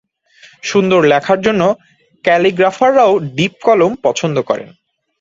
সুন্দর লেখার জন্য ক্যালিগ্রাফাররাও ডিপ কলম পছন্দ করেন।